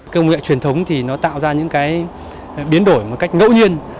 công nghệ truyền thống thì nó tạo ra những cái biến đổi một cách ngẫu nhiên